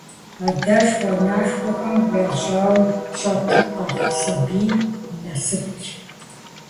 Адэшхуэ-анэшхуэхэм я жьауэм щӀэту къэхъу сабийм и насыпщ.